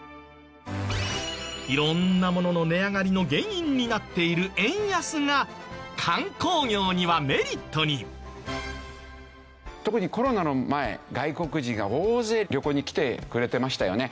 色んなものの値上がりの原因になっている特にコロナの前外国人が大勢旅行に来てくれてましたよね。